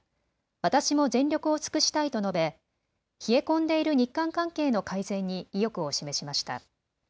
私も全力を尽くしたいと述べ冷え込んでいる日韓関係の改善に意欲を示しました。